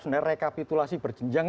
sebenarnya rekapitulasi berjenjang